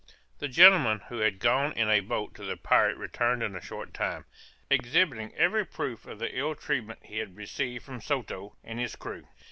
The gentleman who had gone in a boat to the pirate returned in a short time, exhibiting every proof of the ill treatment he had received from Soto and his crew.